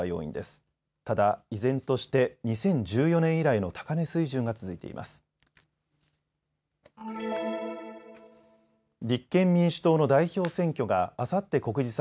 ただ依然として２０１４年以来の高値水準が続いています。